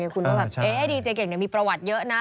คุณก็แบบดีเจเก่งมีประวัติเยอะนะ